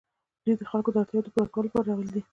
دوی د خلکو د اړتیاوو د پوره کولو لپاره راغلي دي.